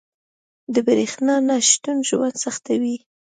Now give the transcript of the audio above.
• د برېښنا نه شتون ژوند سختوي.